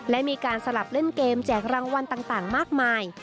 และมีการสลับเล่นเกมแจกรางวัลต่างมากมาย